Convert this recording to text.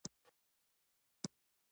غوښتي یې وو ځان پاچا کړي.